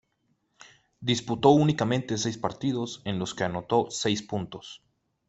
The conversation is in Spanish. Disputó únicamente seis partidos en los que anotó seis puntos.